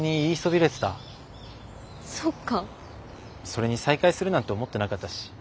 それに再会するなんて思ってなかったし。